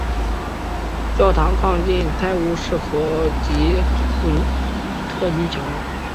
教堂靠近泰晤士河及普特尼桥。